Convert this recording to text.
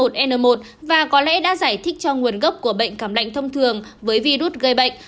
một n một và có lẽ đã giải thích cho nguồn gốc của bệnh cảm lạnh thông thường với virus gây bệnh